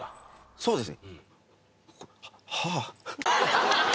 そうですね。